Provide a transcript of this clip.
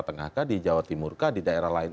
tengah kah di jawa timur kah di daerah lain